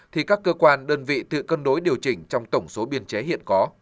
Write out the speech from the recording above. thì các cơ quan đơn vị tự cân đối điều chỉnh trong tổng số biên chế hiện có